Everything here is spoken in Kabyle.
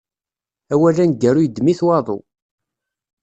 Awal aneggaru iddem-it waḍu.